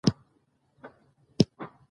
ترکیب د جملې ښکلا زیاتوي.